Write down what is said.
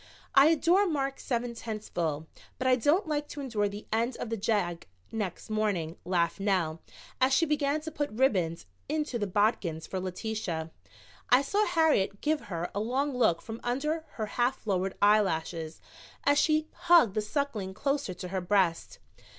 "I adore Mark seven tenths full, but I don't like to endure the end of the jag next morning," laughed Nell, as she began to put ribbons into the bodkins for Letitia. I saw Harriet give her a long look from under her half lowered eyelashes as she hugged the Suckling closer to her breast.